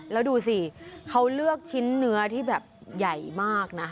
แล้วดูสิเขาเลือกชิ้นเนื้อที่แบบใหญ่มากนะ